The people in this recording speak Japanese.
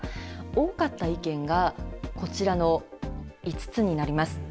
多かった意見がこちらの５つになります。